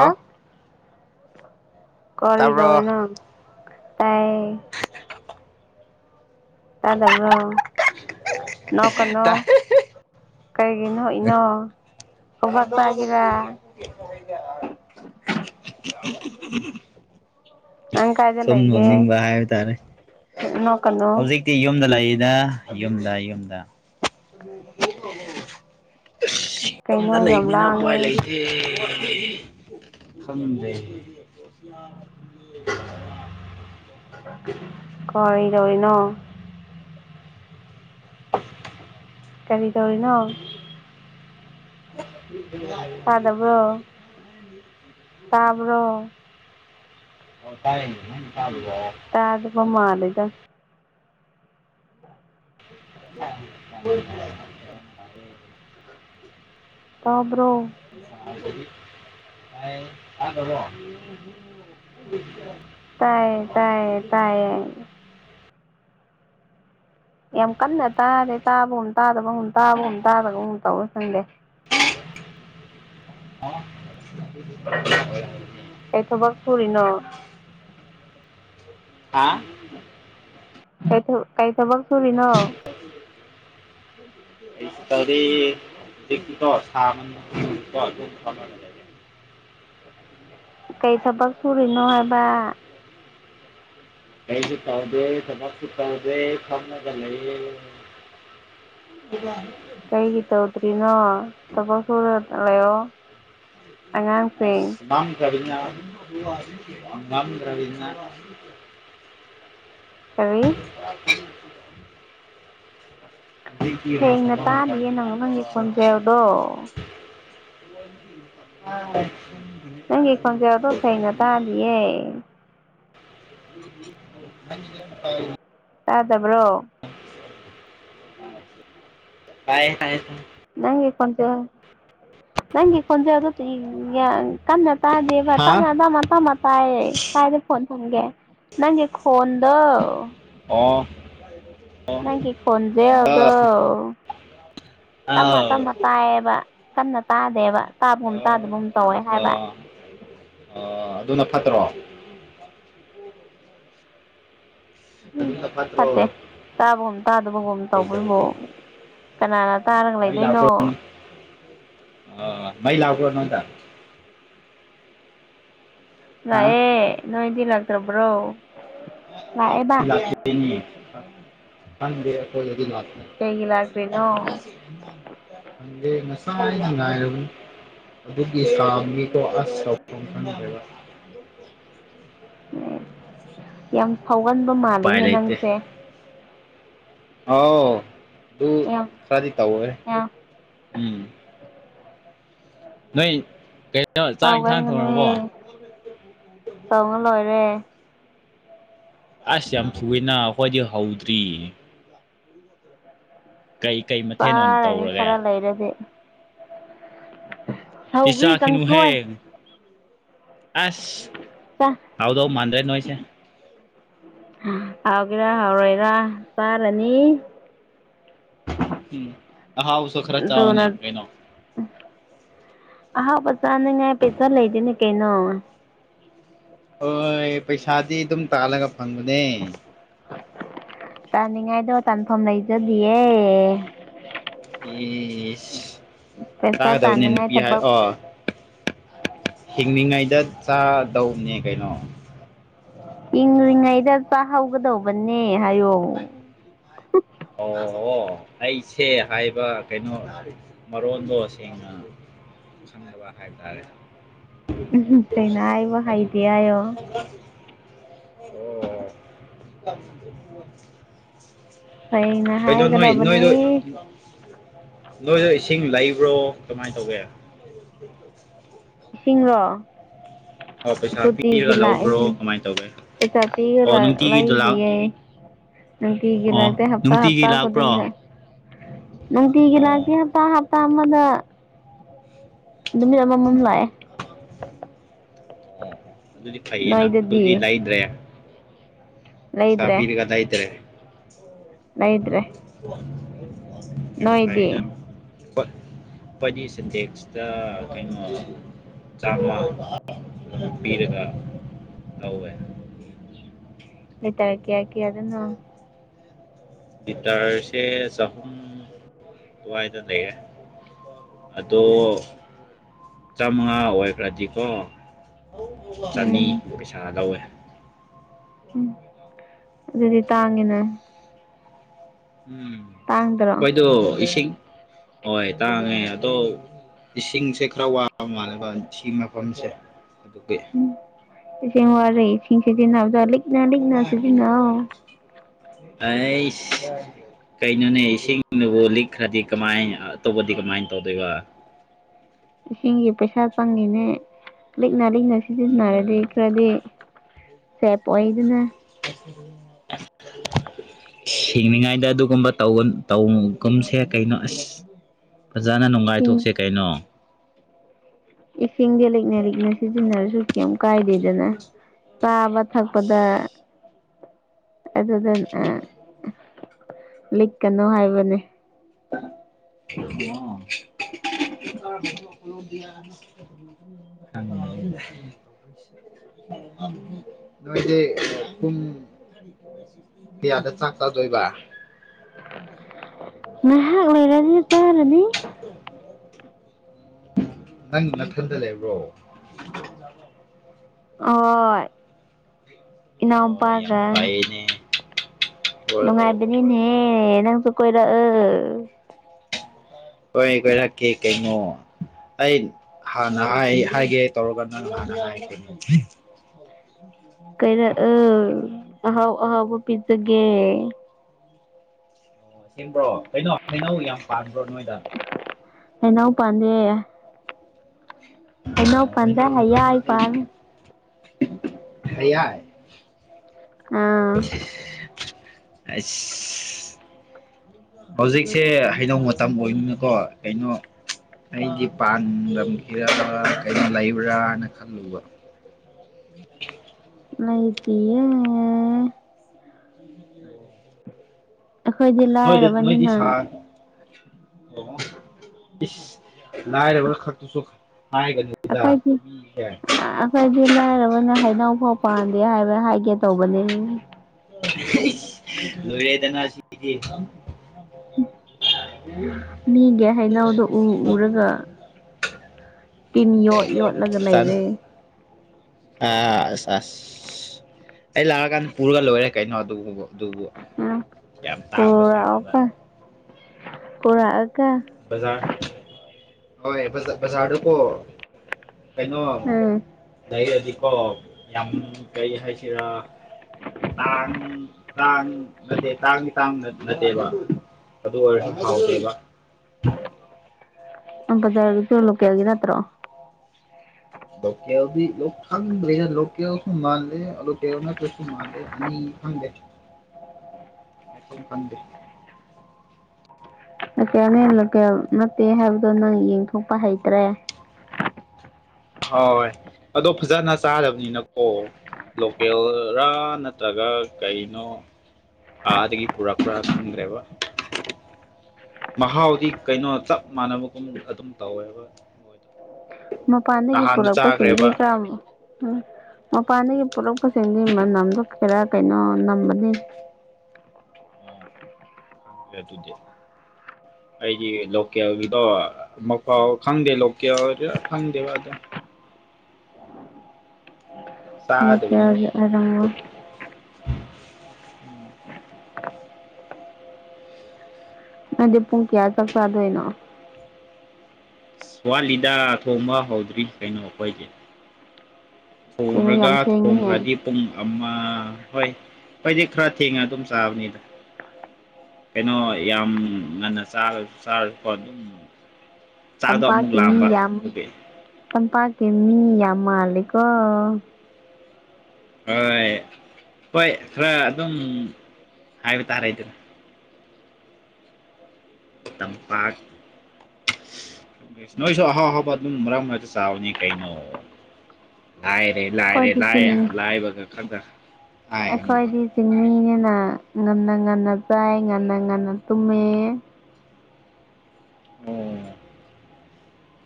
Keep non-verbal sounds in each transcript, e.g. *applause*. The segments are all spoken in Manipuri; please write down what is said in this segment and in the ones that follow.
ꯑꯦ ꯀꯔ ꯇꯥꯕ꯭ꯔꯣ ꯂꯣꯔꯅ ꯇꯥꯏꯌ ꯇꯥꯗꯕ꯭ꯔ ꯅꯣ ꯀꯅꯣ ꯇꯥꯏ ꯀꯩꯒꯤꯅꯣꯏꯅꯣ ꯌꯥꯝ ꯅꯪ *unintelligible* ꯀꯥꯏꯗ ꯁꯨꯝ ꯂꯩꯒꯦ ꯅꯣꯟꯅꯤꯡꯕ ꯍꯥꯏꯕ ꯇꯥꯔꯦ ꯅꯣꯛꯀꯅꯨ ꯍꯧꯖꯤꯛꯇꯤ ꯌꯨꯝꯗ ꯂꯥꯛꯏꯅ ꯌꯨꯝꯗ ꯌꯨꯝꯗ ꯀꯩꯅꯣ ꯁꯤꯗ ꯌꯥꯝ ꯂꯩꯕꯅꯤꯅ ꯎꯄꯥꯏ ꯂꯥꯡꯉꯦ ꯂꯩꯇꯦ ꯐꯖꯦ ꯀꯗꯧꯔꯤꯅꯣ ꯀꯔꯤ ꯇꯧꯔꯤꯅꯣ ꯎ ꯆꯗꯕ꯭ꯔꯣ ꯆꯥꯕ꯭ꯔꯣ ꯍ ꯇꯥꯔꯦ ꯆ ꯇꯒꯄ ꯃꯥꯗꯒ *unintelligible* ꯇꯥꯕ꯭ꯔꯣ ꯑꯕꯣ ꯇꯥꯏꯌꯦ ꯇꯥꯏꯌꯦ ꯇꯌꯦ ꯌꯥꯝ ꯀꯟꯅ ꯇꯥꯔꯦ ꯇꯥꯕꯨꯝ ꯇꯥꯗꯕ ꯇꯥꯕ ꯍ ꯊꯥꯕ ꯍ ꯇꯧ ꯊꯗꯦ ꯑ ꯀꯩ ꯊꯕꯛ ꯁꯨꯔꯤꯅꯣ *unintelligible* ꯍꯥ ꯀ ꯊ ꯀꯩ ꯊꯕꯛꯁꯨꯔꯤ ꯅ ꯁꯨ ꯇꯗꯤ ꯆꯦ ꯀꯩ ꯊꯕꯛ ꯁꯨꯔꯤꯅꯣ ꯍꯥꯏꯕ ꯀꯩꯁꯨ ꯇꯥꯎꯗꯦ ꯁꯃꯞꯁꯨ ꯇꯥꯎꯗꯦ ꯊꯥꯎꯝꯅ ꯆꯂ ꯀꯩꯒꯤ ꯇꯧꯗ꯭ꯔꯤꯅꯣ ꯇ ꯁꯣ ꯑꯁ ꯀꯔꯤ ꯍꯒꯥꯝꯗ꯭ꯔꯕꯤ ꯀꯔꯤ ꯍꯧꯖꯤꯛꯇꯤ ꯔꯦꯁ ꯁꯦꯡꯅ ꯇꯥꯗꯤꯌꯦ ꯅꯪ ꯇꯥꯏꯌꯦ ꯅꯪꯒꯤ ꯈꯣꯟꯖꯦꯜꯗꯣ ꯍ ꯅꯪꯀꯖ ꯑꯦ ꯑꯗꯨꯣ ꯁꯩꯅ ꯇꯥꯗꯤꯦ *unintelligible* ꯇꯥꯗꯕ꯭ꯔꯣ ꯇꯥꯏꯌꯦ ꯇꯌꯦ ꯊ ꯅꯪ ꯈꯣꯟꯖꯦ ꯅꯪꯒꯤ ꯈꯣꯟꯖꯦꯗ ꯀ ꯇꯥꯗꯤꯦꯚꯥꯏ ꯍꯥ ꯇꯞꯃꯦ ꯇꯝ ꯇꯝ ꯇꯥꯏꯌꯦ ꯀꯥꯏꯗꯦ ꯐꯣꯟ ꯍꯪꯦ ꯅꯪꯦ ꯈꯣꯟꯣꯟꯗꯣ ꯑꯣ ꯅꯪꯒꯤ ꯈꯣꯟꯖꯦ ꯑꯗꯣ ꯇꯝꯃ ꯑꯥꯎ ꯇꯝꯃ ꯇꯥꯏꯌꯦꯕ ꯀꯟꯅ ꯇꯥꯗꯦꯕ ꯑ ꯇꯥꯕꯒꯨꯝ ꯇꯥꯗꯕꯒꯨꯝ ꯇꯧꯋꯦ ꯑ ꯍꯥꯏꯕ ꯑ ꯑꯗꯨꯅ ꯐꯠꯇ꯭ꯔꯣ ꯎꯝ ꯑꯗꯨꯅ ꯐꯠꯇ꯭ꯔꯣ ꯐꯠꯇꯦ ꯇꯥꯕꯒꯨꯝ ꯇꯥꯗꯕꯒꯨꯝ ꯇꯧꯕꯣꯏꯐꯥꯎ ꯀꯩꯗꯧꯒꯦ ꯀꯅꯥꯅ ꯇꯥꯔꯒ ꯃꯩ ꯂꯩꯗꯣꯏꯅꯣ ꯂꯥꯛꯄ꯭ꯔꯣ ꯑ ꯃꯩ ꯂꯥꯛ ꯑꯣꯏ ꯅꯣ ꯇ ꯂꯑꯦ ꯅꯣꯏ ꯏꯗꯤ ꯂꯥꯛꯇ꯭ꯔꯕ꯭ꯔꯣ ꯂꯥꯛꯑꯦꯕ ꯂꯥꯛꯦ ꯂꯥꯛ ꯀꯩꯒꯤ ꯂꯥꯛꯇ꯭ꯔꯤꯅꯣ ꯦꯁꯉꯔꯤꯉꯥꯏꯔꯨꯝ ꯑꯗꯨꯒꯤ ꯁꯥ ꯃꯤꯗꯣ ꯑꯁꯐꯝ ꯈꯪꯕ ꯌꯥꯝ ꯁꯥꯎꯒꯟꯕ ꯎꯄꯥꯏ ꯃꯥꯜꯂꯦꯍꯦ ꯅꯪꯁꯦ ꯑꯥꯎ ꯑꯗꯨꯗꯨ ꯌꯥꯝ ꯁꯥꯔꯗꯤ ꯇ ꯑꯣꯏꯦ ꯌꯥꯝ ꯎꯝ ꯅ ꯀꯩ ꯇꯧꯒꯟꯒꯅꯦ ꯇꯧꯅ ꯂꯣꯏꯔꯦ ꯑꯁ ꯌꯥꯝ ꯊꯨꯏꯦꯅ ꯑꯩꯈꯣꯏꯗꯤ ꯍꯧꯗ꯭ꯔꯤ ꯀꯩ ꯀꯩ ꯃꯊꯦꯜ ꯑꯣꯏꯅ ꯄꯥꯔꯅꯤ ꯇꯧꯔꯒꯦ ꯈꯔ ꯂꯩꯔꯗꯤꯦ ꯁꯧꯒ꯭ꯔꯤ ꯄꯁꯥꯈꯤꯅꯨꯍꯦ ꯀꯥꯡꯁꯣꯏ ꯑꯁ ꯆꯥ ꯍꯥꯎꯗ ꯃꯥꯗ꯭ꯔꯦ ꯅꯣꯏꯁ ꯍꯥ ꯍꯥꯎꯒꯦꯔ ꯍꯥꯎꯔꯣꯏꯔ ꯆꯥꯔꯅꯤ ꯎꯝ ꯑꯥꯍꯥꯎꯕꯁꯨ‌ ꯈꯔ ꯆꯥꯑꯣꯅꯦ ꯑꯗꯨꯅ ꯀꯩꯅꯣ ꯑꯍꯥꯎꯕ ꯆꯥꯅꯤꯉꯥꯏ ꯄꯩꯁꯥ ꯂꯩꯗꯦꯅꯦ ꯀꯩꯅꯣ ꯍꯣꯏ ꯄꯩꯁꯥꯗꯤ ꯑꯗꯨꯝ ꯇꯥꯜꯂꯒ ꯐꯪꯕꯅꯦ ꯇꯥꯅꯤꯡꯉꯥꯏꯗꯣ ꯇꯥꯟꯐꯝ ꯂꯩꯖꯗꯤꯌꯦ ꯌꯦꯁ ꯄꯩꯁꯥ ꯇꯥꯒꯗꯕꯅꯦ ꯇꯥꯅꯤꯡꯉꯥꯏ ꯅꯨꯄꯤ ꯍꯥꯏ ꯊꯕꯛ ꯑꯣ ꯍꯤꯡꯂꯤꯉꯩꯗ ꯆꯥꯗꯧꯅꯦ ꯀꯩꯅꯣ ꯍꯤꯡꯂꯤꯉꯩꯗ ꯆꯥꯍꯧꯒꯗꯧꯕꯅꯦ ꯍꯥꯏꯌꯣ ꯑꯣ ꯑꯣ ꯑꯩꯁꯦ ꯍꯥꯏꯕ ꯀꯩꯅꯣ ꯃꯔꯣꯟꯗꯣ ꯁꯦꯡꯅ ꯁꯪꯗꯕ ꯍꯥꯏ ꯇꯥꯔꯦ ꯁꯦꯡꯅ ꯍꯥꯏꯕ ꯍꯩꯇꯦ ꯍꯥꯏꯑꯣ ꯑꯣ ꯁꯦꯡꯅ ꯑꯩꯗꯣ ꯅꯣꯏ ꯍꯥꯏꯒꯗꯕꯅꯦ ꯅꯣꯏꯗꯣ ꯅꯣꯏꯗꯣ ꯏꯁꯤꯡ ꯂꯩꯕ꯭ꯔꯣ ꯀꯃꯥꯏ ꯇꯧꯒꯦ ꯏꯁꯤꯡꯔꯣ ꯑꯣ ꯄꯩꯁꯥ ꯄꯤꯔꯒ ꯇꯣꯇꯤꯒꯤ ꯂꯧꯕ꯭ꯔꯣ ꯂꯥꯛꯏꯅꯤ ꯀꯃꯥꯏ ꯇꯧꯒꯦ ꯄꯩꯁꯥ ꯄꯤꯒ ꯂ ꯂꯩꯗꯤꯌꯦ ꯅꯨꯡ ꯇꯤꯒꯤ ꯂꯥꯛꯇꯦ ꯍꯥꯞꯇꯥ ꯍꯥꯞꯇꯥ ꯈꯨꯗꯤꯡ ꯔ ꯅꯨꯡ ꯇꯤꯒꯤ ꯂꯥꯛꯇꯦ ꯍꯥꯞꯇꯥ ꯍꯥꯞ ꯇꯃꯗ ꯅꯨꯃꯤꯠ ꯑꯃꯃꯝ ꯂꯥꯛꯑꯦ ꯑꯣ ꯑꯗꯨꯗꯤ ꯐꯩꯌꯦꯅ ꯑꯗꯨꯗꯤ ꯅꯣꯏꯗꯗꯤ ꯂꯩꯗ꯭ꯔꯦ ꯂꯩꯗ꯭ꯔꯦ ꯄꯤꯁꯥꯄꯤꯔꯒ ꯂꯩꯗꯔꯦ ꯂꯩꯗ꯭ꯔꯦ ꯅꯣꯏꯗꯤ ꯈꯣꯏꯗꯤ ꯁꯤꯟꯇꯦꯁꯇ ꯀꯩꯅꯣ ꯆꯥꯝꯃ ꯄꯤꯔꯒ ꯂꯧꯑꯦ ꯇꯀꯤꯌꯥ ꯀꯤꯌꯥ ꯗꯅꯣ ꯒꯤꯇꯥꯔꯁꯦ ꯆꯍꯨꯝ ꯑꯗꯨꯋꯥꯏꯗ ꯂꯩꯌꯦ ꯑꯗꯣ ꯆꯥꯃꯉꯥ ꯑꯣꯏꯈ꯭ꯔꯗꯤꯀꯣ ꯆꯅꯤ ꯎꯝ ꯄꯩꯁꯥ ꯂꯧꯋꯦ ꯎꯝ ꯑꯗꯨꯗꯤ ꯇꯥꯡꯉꯦꯅ ꯎꯝ ꯈꯣꯏꯗꯣ ꯏꯁꯤꯡ ꯍꯣꯏ ꯇꯥꯡꯉꯦ ꯑꯗꯣ ꯏꯁꯤꯡꯁꯦ ꯈꯔ ꯋꯥꯕ ꯃꯥꯜꯂꯦꯕ ꯁꯤ ꯃꯐꯝꯁꯦ ꯑꯗꯨꯒꯤ ꯎꯝ ꯏꯁꯤꯡ ꯋꯥꯔꯦ ꯏꯁꯤꯡ ꯁꯤꯖꯤꯟꯅꯕꯗꯣ ꯂꯤꯛꯅ ꯂꯤꯛꯅ ꯁꯤꯖꯤꯟꯅꯧ ꯑꯩꯁ ꯀꯩꯅꯣꯅꯦ ꯏꯁꯤꯡꯗꯨꯕꯨ ꯂꯤꯛꯈ꯭ꯔꯗꯤ ꯀꯃꯥꯏ ꯇꯧꯕꯗꯤ ꯀꯃꯥꯏꯅ ꯇꯧꯗꯣꯏꯕ ꯏꯁꯤꯡꯒꯤ ꯄꯩꯁꯥ ꯇꯪꯉꯤꯅꯦ ꯂꯤꯛ ꯂꯤꯛꯅ ꯂꯤꯛꯅ ꯁꯤꯖꯤꯟꯅꯔꯗꯤ ꯈꯔꯗꯤ ꯁꯦꯞ ꯑꯣꯏ ꯑꯗꯨꯅ *inaudible* ꯁꯤꯡꯅꯤꯉꯥꯏꯗ ꯑꯗꯨꯒꯨꯝꯕ ꯇꯧꯒ ꯇꯧꯅꯨꯒꯨꯝꯁꯦ ꯀꯩꯅꯣ ꯑꯁ ꯐꯖꯅ ꯏꯁꯤꯡ ꯅꯨꯡꯉꯥꯏꯊꯣꯛꯁꯦ ꯀꯩꯅꯣ ꯏꯁꯤꯡꯗꯤ ꯂꯤꯛꯅ ꯂꯤꯛꯅ ꯁꯤꯖꯤꯟꯅꯔꯁꯨ ꯌꯥꯝ ꯀꯥꯏꯗꯦꯗꯅ ꯆꯥꯕ ꯊꯛꯄꯗ ꯑꯗꯨꯗ ꯑ ꯂꯤꯛꯀꯅꯣ ꯍꯥꯏꯕꯅꯦ ꯑꯣ *unintelligible* ꯅꯣꯏꯗꯤ ꯄꯨꯡ ꯄꯤꯌꯥꯗ ꯆꯥꯛ ꯆꯥꯗꯣꯏꯕ ꯉꯍꯥꯛ ꯂꯩꯔꯅꯤ ꯆꯥꯔꯅꯤ ꯅꯪ ꯅꯥꯊꯟꯗ ꯂꯩꯕ꯭ꯔꯣ ꯍꯣꯏ ꯑꯣ ꯌꯥꯝ ꯏꯅꯥꯎꯄꯥꯒ ꯅꯨꯡꯉꯥꯏꯌꯦꯅꯦ ꯍꯣꯏ ꯍꯣꯏ ꯍꯣꯏ ꯅꯨꯡꯉꯥꯏꯕꯅꯤꯅꯦ ꯅꯪꯁꯨ ꯀꯣꯏꯔꯛ ꯍꯣꯏ ꯀꯣꯏꯔꯛꯀꯦ ꯀꯩꯅꯣ ꯑꯩ ꯍꯥꯟꯅ ꯍꯥꯏ ꯍꯥꯏꯒꯦ ꯇꯧꯔꯒ ꯅꯪ ꯍꯥꯟꯅ ꯍꯥꯏꯈꯤꯕꯅꯦ ꯍꯣꯏ ꯀꯩꯅ ꯑ ꯑꯍꯥꯎ ꯑꯍꯥꯎꯕ ꯄꯤꯖꯒꯦ ꯑꯣ ꯁꯦꯝꯕ꯭ꯔꯣ ꯀꯩꯅꯣ ꯍꯩꯅꯧ ꯌꯥꯝ ꯄꯥ꯭ꯔꯣ ꯅꯣꯏꯗ ꯑꯟꯅꯕꯨ ꯄꯥꯟꯗꯦꯌꯦ ꯄꯥꯟꯗꯦ ꯑꯅꯧꯕ ꯃꯇꯝꯗ ꯍꯌꯥꯏ ꯑꯩ ꯄꯥꯜꯂꯦ ꯍ ꯌꯥꯏ ꯑꯥ ꯑ ꯍꯧꯖꯤꯛꯁꯦ ꯍꯩꯅꯧ ꯃꯇꯝ ꯑꯣꯏꯅꯤꯅꯀꯣ ꯀꯩꯅꯣ ꯑꯩꯗꯤ ꯄꯥꯟꯂꯝꯈꯤꯔ ꯀꯩꯅꯣ ꯂꯩꯕ꯭ꯔꯥꯅ ꯈꯜꯂꯨꯕ ꯎꯝ ꯂꯩꯇꯌꯦ ꯎ ꯐ ꯑꯩꯈꯣꯏꯗꯤ ꯃꯣꯏꯗ ꯃꯣꯏꯗꯤ ꯂꯥꯏꯔꯕꯅꯤꯅ ꯁꯥꯟ ꯂꯥꯏꯔꯕ꯭ꯔ ꯈꯛꯇꯁꯨꯈꯦ ꯑꯩꯈꯣꯏꯁꯤ ꯑꯩꯈꯣꯏꯁꯤ ꯂꯥꯏꯔꯕꯅ ꯍꯩꯅꯧ ꯐꯥꯎ ꯄꯥꯟꯗꯦ ꯍꯥꯏꯕ ꯍꯥꯏꯒꯦ ꯇꯧꯕꯅꯦ ꯂꯣꯏꯔꯗꯅꯁꯤ ꯃꯤꯒꯤ ꯍꯩꯅꯎꯗꯣ ꯎ ꯎꯔꯒ ꯇꯤꯟ ꯌꯣꯠ ꯌꯣꯠꯂꯒ ꯂꯩꯔꯦ ꯑ ꯑꯁ ꯑꯁ ꯑꯩ ꯂꯥꯛꯑꯀꯥꯟꯗ ꯄꯨꯔꯒ ꯂꯣꯏꯔꯦ ꯀꯩꯅꯣ ꯑꯗꯨꯕ ꯑꯗꯨꯕꯨ ꯎ ꯌꯥꯝ ꯇꯥꯡꯕꯁꯨ ꯄꯨꯔꯥ ꯅꯠꯇꯕ ꯑꯣꯀ ꯄꯨꯔꯥ ꯑꯣꯀ ꯖꯥ ꯍꯣꯏ ꯖꯥꯀꯣ ꯀꯩꯩꯅꯣ ꯎꯝ ꯑꯗꯩꯔꯗꯤꯀꯣ ꯌꯥꯝ ꯀꯔꯤ ꯍꯥꯏꯁꯤꯔꯥ ꯇꯥꯡ ꯇꯥꯡ ꯅꯠꯇꯦ ꯇꯥꯡꯗꯤ ꯇꯥꯡ ꯅꯠꯇꯦꯕ ꯑꯗꯨ ꯑꯣꯏꯔꯁꯨ ꯍꯥꯎꯗꯦꯕ *unintelligible* ꯕꯖꯥꯔꯒꯤꯁꯨ ꯂꯣꯀꯦꯜꯒꯤ ꯅꯠꯇ꯭ꯔꯣ ꯂꯀ ꯂ ꯈꯪꯔꯤꯖ ꯂ ꯀꯁꯨ ꯃꯥ ꯂꯀꯁꯨ ꯃꯥꯦ ꯍꯦ ꯍꯠꯇꯝ ꯐꯟꯗꯦ ꯂꯣꯀꯦꯜꯅꯦ ꯂꯣꯀꯦꯜ ꯅꯠꯇꯦ ꯍꯥꯏꯕꯗꯣ ꯅꯪ ꯌꯦꯡꯊꯣꯛꯄ ꯍꯩꯇ꯭ꯔꯦ ꯍꯣꯏ ꯑꯗꯣ ꯐꯖꯅ ꯆꯥꯗꯕꯅꯤꯅꯀꯣ ꯂꯣꯀꯦꯜꯔꯥ ꯅꯠꯇ꯭ꯔꯒ ꯀꯩꯅꯣ ꯑꯥꯗꯒꯤ ꯄꯨꯔꯛ ꯄꯨꯔꯥ ꯈꯪꯗ꯭ꯔꯦꯕ ꯃꯍꯥꯎꯗꯤ ꯀꯩꯅꯣ ꯆꯞ ꯃꯥꯟꯅꯕꯒꯨꯝ ꯑꯗꯨꯝ ꯇꯧꯋꯦꯕ ꯃꯄꯥꯟꯗꯒꯤ ꯅꯍꯥꯟꯗꯣ ꯄꯨꯔꯛꯄꯁꯤꯡꯁꯤ ꯆꯥꯈ꯭ꯔꯦꯕ ꯀ ꯎ ꯃꯄꯥꯟꯗꯒꯤꯛ ꯀꯆꯁꯤꯡꯗꯤ ꯅꯝꯊꯣꯛꯀꯦꯔꯥ ꯀꯩꯅꯣ ꯅꯝꯕꯗꯤ ꯈꯥꯡꯗ꯭ꯔ ꯇꯨꯗꯦ ꯑꯩꯒꯤ ꯂꯣꯀꯦꯜꯗꯣ ꯃꯥꯎ ꯈꯪꯗꯦ ꯂꯣꯀꯦꯜꯔ ꯈꯪꯗꯦꯕ ꯑꯗꯣ ꯁꯥꯗꯕꯤ ꯂꯣꯀꯦꯜꯒꯤ ꯑꯣꯏꯔꯝꯃꯣꯏ ꯃꯗꯤꯄꯨꯡ ꯀꯌꯥ ꯆ ꯁꯥꯗꯌꯦꯅ ꯁꯋꯥꯠꯂꯤꯗ ꯊꯣꯡꯕ ꯍꯧꯗ꯭ꯔꯤ ꯀꯩꯅꯣ ꯑꯩꯈꯣꯏꯁꯦ ꯀꯩꯅꯣ ꯊꯣꯡꯂꯒ ꯌꯥꯝ ꯊꯦꯡꯉꯤꯍꯦ ꯊꯣꯡꯈ꯭ꯔꯗꯤ ꯄꯨꯡ ꯑꯃ ꯍꯣꯏ ꯐꯣꯏꯗꯤ ꯈꯔ ꯊꯦꯡꯉ ꯑꯗꯨꯝ ꯆꯥꯕꯅꯤꯗ ꯀꯩꯅꯣ ꯌꯥꯝ ꯉꯟꯅꯥ ꯆꯥꯔꯁꯨꯀꯣ ꯑꯗꯨꯝ ꯆꯥꯛꯗꯣ ꯆꯝꯄꯥꯛ ꯑꯃꯨꯛ ꯀꯅꯤ ꯂꯥꯝꯕ ꯌꯥꯝ ꯑꯗꯨꯒꯤ ꯆꯝꯄꯥꯛ ꯀꯤꯃꯤ ꯌꯥꯝ ꯃꯥꯜꯂꯦꯀꯣ ꯍꯣꯏ ꯍꯣꯏ ꯈꯔ ꯑꯗꯨꯝ ꯍꯥꯏꯕ ꯇꯥꯔꯦꯗꯅ ꯇꯝꯄꯥꯛ ꯅꯣꯏꯁꯨ ꯑꯍꯥꯎ ꯑꯍꯥꯎꯕ ꯑꯗꯨꯝ ꯃꯔꯛ ꯃꯔꯛꯇ ꯆꯥꯋꯣꯅꯦ ꯀꯩꯅꯣ ꯂꯥꯏꯔꯦ ꯂꯥꯏꯔꯦ ꯑꯩꯈꯣꯏꯗꯤ ꯂꯥꯏ ꯆꯤꯡ ꯂꯥꯏꯕꯒ ꯈꯛꯇ ꯍꯥꯏꯒꯅꯨꯕ ꯑꯩꯈꯣꯏꯗꯤ ꯆꯤꯡꯃꯤꯅꯦꯅ ꯉꯝꯅꯪ ꯉꯟꯅ ꯆꯥꯏ ꯉꯟꯅ ꯉꯟꯅ ꯇꯨꯝꯃꯦ ꯑꯣ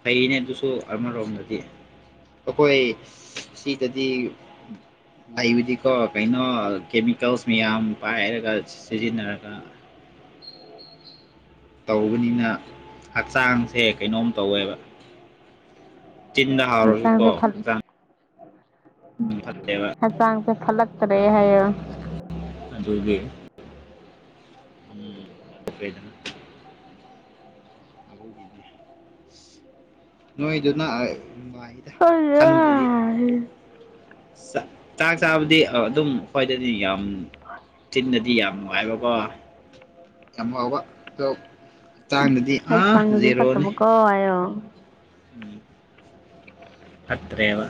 ꯐꯩꯅꯦ ꯑꯗꯨꯁꯨ ꯑꯃꯔꯣꯝꯗꯗꯤ ꯑꯈꯣꯏ ꯁꯤꯗꯗꯤ ꯂꯩꯕꯗꯤꯀꯣ ꯀꯩꯅꯣ ꯀꯦꯃꯤꯀꯦꯜꯁ ꯃꯌꯥꯝ ꯄꯥꯏꯔꯒ ꯁꯤꯖꯤꯟꯅꯔꯒ *inaudible* ꯇꯧꯕꯅꯤꯅ ꯍꯛꯆꯥꯡꯁꯦ ꯀꯩꯅꯣꯝ ꯇꯧꯋꯦꯕ ꯆꯤꯟꯗ ꯍꯛꯆꯥꯡꯁꯦ ꯍꯥꯎꯔꯁꯨꯀꯣꯥ ꯐꯠ ꯍꯛꯆꯥꯡ ꯐꯠꯇꯦꯕ ꯍꯛꯆꯥꯡꯁꯦ ꯐꯂꯛ ꯇꯔꯦ ꯍꯥꯏꯌꯣ ꯑꯗꯨꯒꯤ *unintelligible* ꯑꯗꯨꯒꯤꯅꯦ ꯅꯣꯏꯒꯤꯗꯨꯅ ꯑꯥꯏ ꯃꯥꯏꯗ ꯈꯟꯕꯗꯨꯗꯤ ꯆꯛ ꯆꯥꯛ ꯆꯥꯕꯗꯤ ꯑ ꯑꯗꯨꯝ ꯈꯣꯏꯗꯗꯤ ꯌꯥꯝ ꯆꯤꯟꯗꯗꯤ ꯌꯥꯝ ꯅꯨꯡꯉꯥꯏꯕꯀꯣ ꯌꯥꯝ ꯍꯥꯎꯕ ꯑꯣꯛ ꯇꯥꯡꯅꯗꯤ ꯑꯥ ꯍꯛꯆꯥꯡꯁꯦ ꯖꯦꯔꯣꯅꯦ ꯐꯠꯇꯕꯀꯣ ꯍꯥꯏꯌꯣ ꯎꯝ ꯐꯠꯇ꯭ꯔꯦꯕ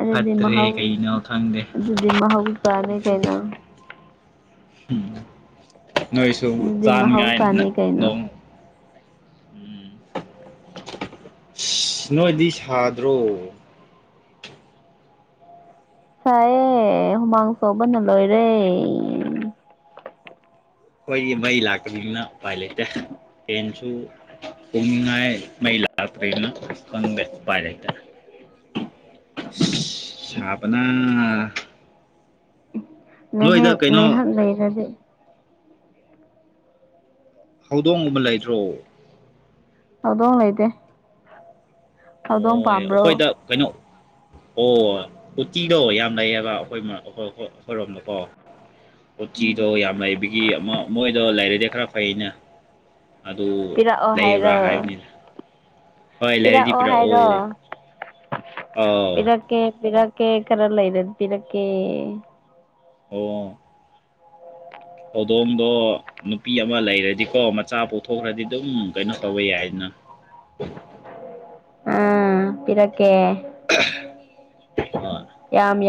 ꯑꯗꯨꯗꯤ ꯐꯠꯇ꯭ꯔꯦ ꯃꯍꯥꯎ ꯀꯩꯅꯣ ꯈꯪꯗꯦ ꯑꯗꯨꯗꯤ ꯃꯍꯥꯎ ꯇꯥꯔꯦ ꯀꯩꯅꯣ ꯅꯣꯏꯁꯨ ꯑꯗꯨꯗꯤ ꯆꯥꯅꯉꯥꯏ ꯅ ꯃꯍꯧꯁꯥꯅꯤ ꯀꯩꯅꯣ ꯅꯣꯡ ꯎꯝ ꯁꯤ ꯅꯣꯏꯗꯤ ꯁꯥꯗ꯭ꯔꯣ ꯁꯥꯌꯦ ꯍꯨꯃꯥꯡ ꯁꯧꯕꯅ ꯂꯣꯏꯔꯦ ꯈꯣꯏꯒꯤ ꯃꯩ ꯂꯥꯛꯇꯕꯅꯤꯅ ꯎꯄꯥꯏ ꯂꯩꯇꯦ ꯐꯦꯟ ꯁꯨ ꯎꯪꯅꯤꯉꯥꯏ ꯃꯩ ꯂꯥꯛꯇ꯭ꯔꯦꯅ ꯈꯪꯗꯦ ꯎꯄꯥꯏ ꯂꯩꯇꯦ ꯁꯤ ꯁꯥꯕꯅ ꯉꯩꯍ ꯅꯣꯏꯗ ꯀꯩꯅꯣ ꯉꯩꯍꯥꯛ ꯂꯩꯔꯗꯤ ꯍꯧꯗꯣꯡꯒꯨꯝꯕ ꯂꯩꯗ꯭ꯔꯣ ꯍꯧꯗꯣꯡ ꯂꯩꯇꯦ ꯑꯣ ꯍꯧꯗꯣꯡ ꯄꯥꯝꯕ꯭ꯔꯣ ꯑꯩꯈꯣꯏꯗ ꯀꯩꯅꯣ ꯑꯣ ꯎꯇꯤꯗꯣ ꯌꯥꯝ ꯂꯩꯌꯦꯕ ꯑꯩꯈꯣꯏꯃ ꯑꯈꯣ ꯑꯈꯣ ꯑꯈꯣꯏꯔꯣꯝꯗꯀꯣ ꯎꯆꯤꯗꯣ ꯌꯥꯝ ꯂꯩꯕꯒꯤ ꯑꯃ ꯃꯣꯏꯗꯣ ꯂꯩꯔꯗꯤ ꯈꯔ ꯐꯩꯩꯅ ꯑꯗꯨ ꯄꯤꯔꯛꯑꯣ ꯂꯩꯕ꯭ꯔꯥ ꯍꯥꯏꯔꯣ ꯍꯥꯏꯕꯅꯤꯗ ꯄꯤꯔꯛꯑꯣ ꯍꯥꯏꯔꯣ ꯑꯥꯎ ꯄꯤꯔꯛꯀꯦ ꯄꯤꯔꯛꯀꯦ ꯈꯔ ꯂꯩꯔ ꯄꯤꯔꯛꯀꯦ ꯑꯣ ꯍꯧꯗꯣꯡꯗꯣ ꯅꯨꯄꯤ ꯑꯃ ꯂꯩꯔꯗꯤꯀꯣ ꯃꯆꯥ ꯄꯣꯛꯊꯣꯛꯈ꯭ꯔꯗꯤ ꯑꯗꯨꯝ ꯀꯩꯅꯣ ꯇꯧꯕ ꯌꯥꯏꯗꯅ *unintelligible* ꯑꯥ ꯄꯤꯔꯛꯀꯦ ꯌꯥꯝ ꯌꯥꯝ